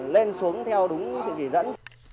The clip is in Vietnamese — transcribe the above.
lên xuống theo đúng sự chỉ dẫn